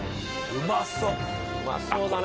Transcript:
うまそうだね。